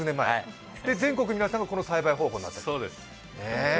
全国の皆さんがこの栽培方法なんですよね。